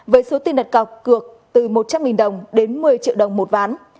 với số tiền đặt cọc cược từ một trăm linh đồng đến một mươi triệu đồng một ván